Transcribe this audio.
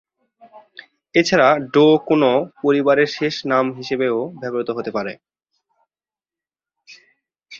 এছাড়া ডো কোন পরিবারের শেষ নাম হিসেবেও ব্যবহৃত হতে পারে।